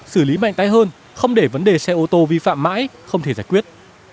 xử lý mạnh tay hơn không để vấn đề xe ô tô vi phạm mãi không thể giải quyết